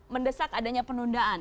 mendesak adanya penundaan